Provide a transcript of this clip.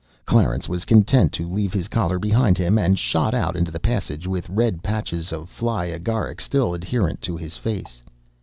Clarence was content to leave his collar behind him, and shot out into the passage with red patches of fly agaric still adherent to his face.